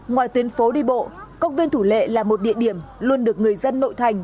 ngoài tuyến phố đi bộ công viên thủ lệ là một địa điểm luôn được người dân nội thành